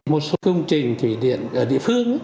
một số công trình thủy điện ở địa phương